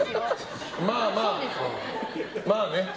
まあまあ、まあね。